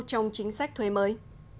trong chính sách thuê mới